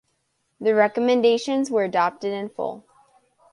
The recommendations were adopted in full.